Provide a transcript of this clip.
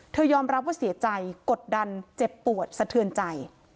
ยอมรับว่าเสียใจกดดันเจ็บปวดสะเทือนใจ